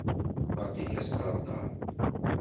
Berkat asṭerṭer!